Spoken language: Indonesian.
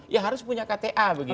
ya harus punya kta begitu